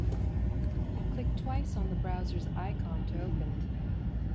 Click twice on the browser's icon to open it.